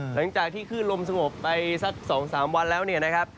หลังจากที่ขึ้นลมสงบไปสักสองสามวันแล้วเนี่ยนะครับ